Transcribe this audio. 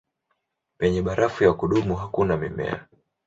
Penye barafu ya kudumu hakuna mimea.